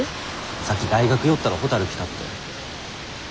さっき大学寄ったらほたる来たって。